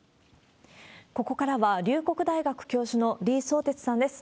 ここからは、龍谷大学教授の李相哲さんです。